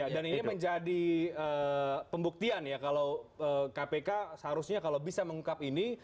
dan ini menjadi pembuktian ya kalau kpk seharusnya kalau bisa mengungkap ini